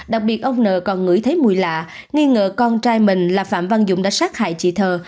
đặc biệt ông n còn ngửi thấy mùi lạ nghi ngờ con trai mình là phạm văn dũng đã sát hại chị thờ